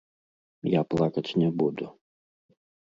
Я плакаць не буду.